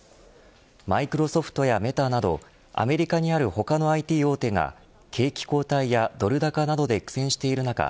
マイクロソフトやメタなどアメリカのある他のＩＴ大手が景気後退やドル高などで苦戦しているなか